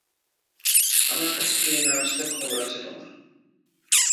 আমার কাছে ফিরে না আসলে খবর আছে তোমার।